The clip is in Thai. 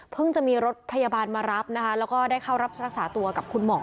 จะมีรถพยาบาลมารับนะคะแล้วก็ได้เข้ารับรักษาตัวกับคุณหมอ